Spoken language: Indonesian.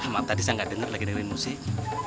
maaf tadi saya gak denger lagi dari musik